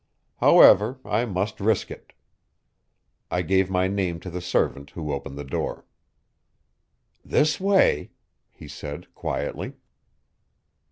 However, I must risk it. I gave my name to the servant who opened the door. "This way," he said quietly.